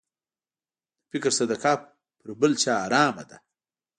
د فطر صدقه پر بل چا حرامه ده.